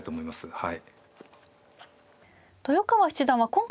はい。